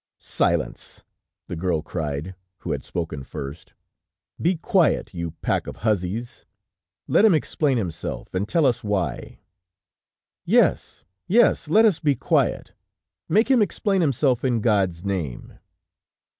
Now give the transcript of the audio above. "Silence!" the girl cried, who had spoken first. "Be quiet, you pack of huzzys! Let him explain himself, and tell us why!" "Yes, yes, let us be quiet! Make him explain himself in God's name!"